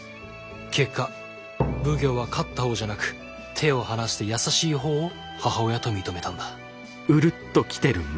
結果奉行は勝った方じゃなく手を離した優しい方を母親と認めたんだ。